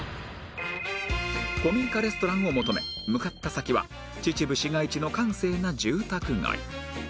古民家レストランを求め向かった先は秩父市街地の閑静な住宅街